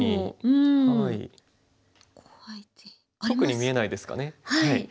特に見えないですかね。